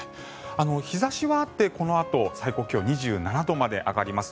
日差しはあってこのあと最高気温は２７度まで上がります。